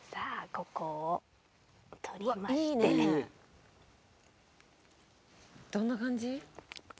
ここをとりましてどんな感じ？